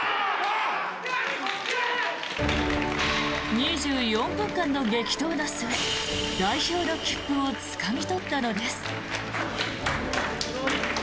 ２４分間の激闘の末代表の切符をつかみ取ったのです。